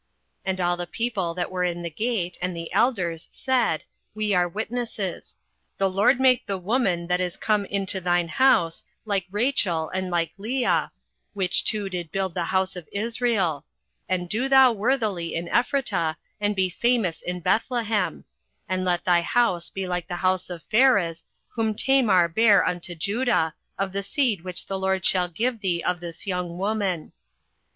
08:004:011 And all the people that were in the gate, and the elders, said, We are witnesses. The LORD make the woman that is come into thine house like Rachel and like Leah, which two did build the house of Israel: and do thou worthily in Ephratah, and be famous in Bethlehem: 08:004:012 And let thy house be like the house of Pharez, whom Tamar bare unto Judah, of the seed which the LORD shall give thee of this young woman.